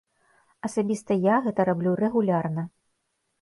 Асабіста я гэта раблю рэгулярна.